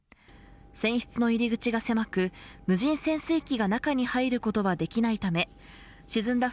船室の入り口が狭く無人潜水機が中に入ることはできないため沈んだ